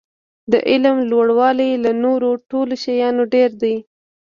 د علم لوړاوی له نورو ټولو شیانو ډېر دی.